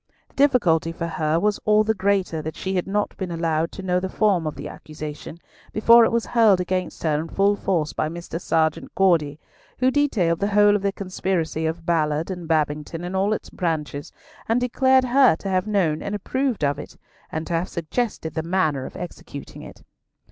The difficulty for her was all the greater that she had not been allowed to know the form of the accusation, before it was hurled against her in full force by Mr. Serjeant Gawdy, who detailed the whole of the conspiracy of Ballard and Babington in all its branches, and declared her to have known and approved of it, and to have suggested the manner of executing it.